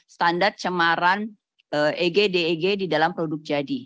standar cemaran eg deg di dalam produk jadi